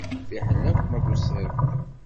Fiḥel akk ma tusiḍ-d.